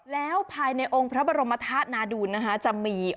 แล้วภายในองค์พระบรมธาตุนาดูลนะคะจะมี